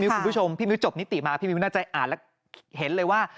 คุณผู้ชมพี่มิ้วจบนิติมาพี่มิวน่าจะอ่านแล้วเห็นเลยว่า